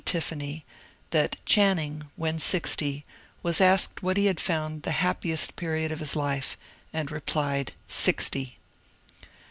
Tiffany, that Channing, when sixty, was asked what he had found the happiest period of life, and replied, " Sixty